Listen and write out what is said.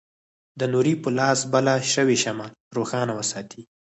د نوري په لاس بله شوې شمعه روښانه وساتي.